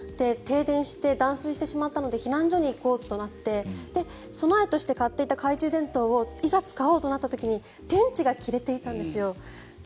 停電して断水してしまったので避難所に行こうとなって備えとして買っていた懐中電灯をいざ使おうという時に電池が切れていたんです。